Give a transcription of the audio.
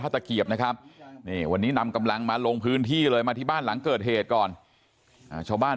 ตะเกียบนะครับนี่วันนี้นำกำลังมาลงพื้นที่เลยมาที่บ้านหลังเกิดเหตุก่อนชาวบ้าน